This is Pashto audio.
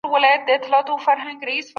چیرته کولای سو بازار په سمه توګه مدیریت کړو؟